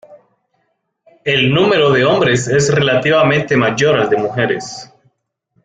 El número de hombres es relativamente mayor al de mujeres.